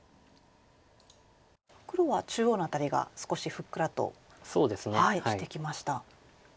黒は中央の辺りが少しふっくらとしてきました。